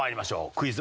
クイズ！